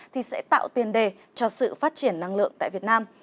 thì sẽ tạo tiền đề cho sự phát triển năng lượng tại việt nam